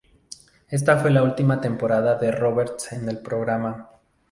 Esta fue la ultima temporada de Roberts en el programa.